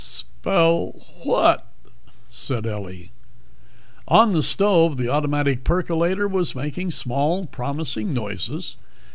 "Sbell whadt?" said Ellie. On the stove the automatic percolator was making small, promising noises.